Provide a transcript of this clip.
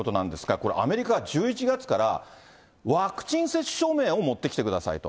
これ、アメリカは１１月からワクチン接種証明を持ってきてくださいと。